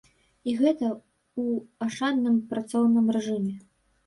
І гэта ў ашчадным працоўным рэжыме.